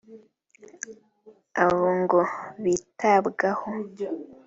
Abo ngo bitabwaho